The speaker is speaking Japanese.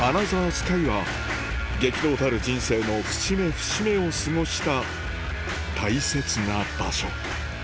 スカイは激動たる人生の節目節目を過ごした大切な場所